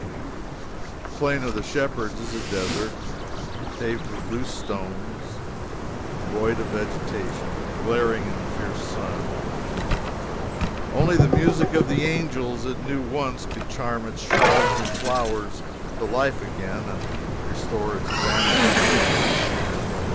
The Plain of the Shepherds is a desert, paved with loose stones, void of vegetation, glaring in the fierce sun. Only the music of the angels it knew once could charm its shrubs and flowers to life again and restore its vanished beauty.